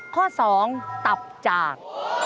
ข้อสองตับจาก